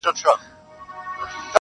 اړخونه یې هم یاد کړي او ستایلي